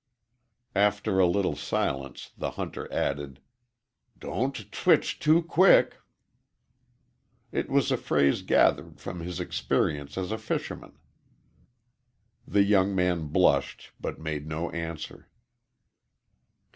After a little silence the hunter added: "Don't t twitch too quick." It was a phrase gathered from his experience as a fisherman. The young man blushed but made no answer.